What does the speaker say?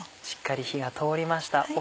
しっかり火が通りました